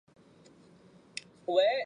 也给观众留下深刻影象。